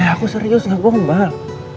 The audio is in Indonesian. aku serius gak bobal